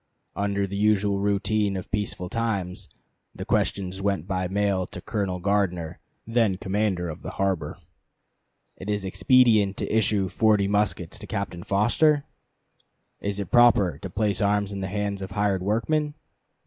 Under the usual routine of peaceful times the questions went by mail to Colonel Gardner, then commander of the harbor, "Is it expedient to issue forty muskets to Captain Foster? Is it proper to place arms in the hands of hired workmen?